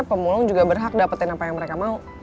pemulung juga berhak dapetin apa yang mereka mau